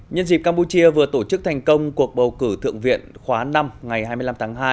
nhân dịp campuchia vừa tổ chức thành công cuộc bầu cử thượng viện khóa năm ngày hai mươi năm tháng hai